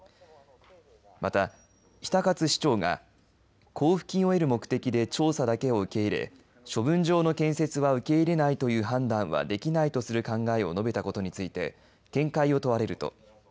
また、比田勝市長が交付金を得る目的で調査だけを受け入れ処分場の建設は受け入れないという判断はできないとする考えを述べたことについて見解を問われると。